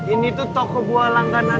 ini tuh toko buah langganan